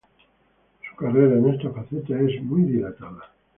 Su carrera en esta faceta es muy dilatada.